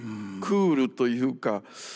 クールというか